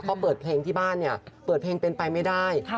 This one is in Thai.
พอเปิดเพลงที่บ้านเนี่ยเปิดเพลงเป็นไปไม่ได้